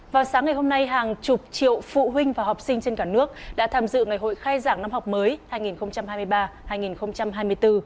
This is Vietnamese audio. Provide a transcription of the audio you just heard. vào sáng ngày hôm nay hàng chục triệu phụ huynh và học sinh trên cả nước đã tham dự ngày hội khai giảng năm học mới hai nghìn hai mươi ba hai nghìn hai mươi bốn